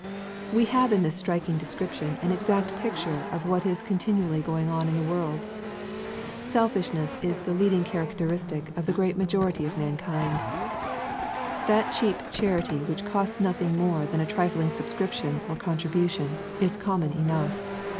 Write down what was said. ''/ We have in this striking description, an exact picture / of what is continually going on in the world. Selfishness is the leading characteristic of the great majority of man kind. That cheap charity which costs nothing more than a trifling subscription or contribution, is common enough.